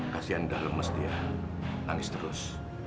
kasian dah lemes dia nangis terus